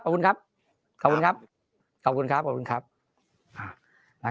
ขอบคุณครับขอบคุณครับขอบคุณครับขอบคุณครับ